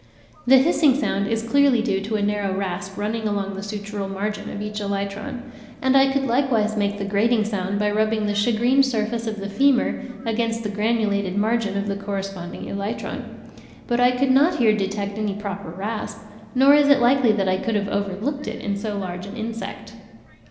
The hissing sound is clearly due to a narrow rasp running along the sutural margin of each elytron; and I could likewise make the grating sound by rubbing the shagreened surface of the femur against the granulated margin of the corresponding elytron; but I could not here detect any proper rasp; nor is it likely that I could have overlooked it in so large an insect.